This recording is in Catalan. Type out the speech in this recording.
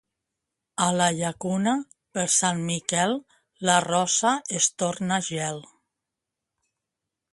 A la Llacuna, per Sant Miquel, la rosa es torna gel.